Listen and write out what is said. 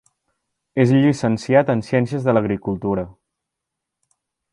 És llicenciat en Ciències de l'Agricultura.